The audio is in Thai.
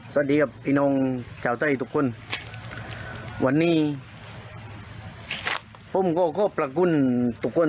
สวัสดีครับพี่น้องชาวใต้ทุกคนวันนี้ผมก็ขอบพระคุณทุกคน